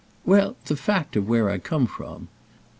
"Well, the fact of where I come from.